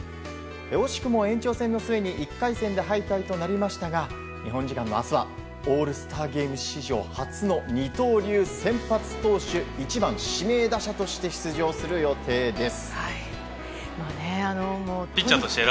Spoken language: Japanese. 惜しくも延長戦の末に１回戦で敗退となりましたが日本時間の明日はオールスターゲーム史上初の二刀流先発投手、１番指名打者として出場する予定です。